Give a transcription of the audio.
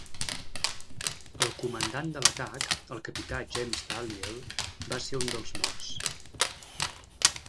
El comandant de l'atac, el capità James Dalyell, va ser un dels morts.